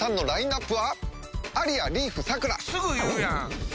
すぐ言うやん！